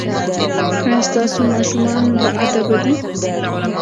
ایا ستاسو ماشومان باادبه دي؟